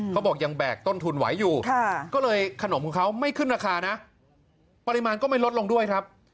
เขาบอกยังแบกต้นทุนไหวอยู่ก็เลยขนมของเขาไม่ขึ้นราคานะปริมาณก็ไม่ลดลงด้วยครับ